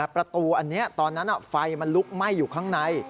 ประตูอันนี้ตอนนั้นไฟมันลุกไหม้อยู่ข้างใน